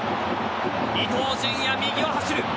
伊東純也、右を走る。